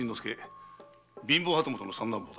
貧乏旗本の三男坊だ。